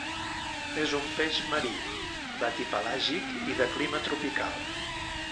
És un peix marí, batipelàgic i de clima tropical.